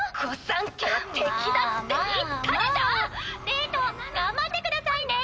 デート頑張ってくださいね。